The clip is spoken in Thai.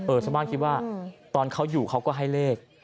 ชาวบ้านคิดว่าตอนเขาอยู่เขาก็ให้เลข